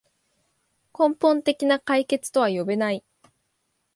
根本的な解決とは呼べない